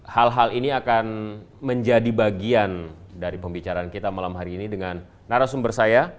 hal hal ini akan menjadi bagian dari pembicaraan kita malam hari ini dengan narasumber saya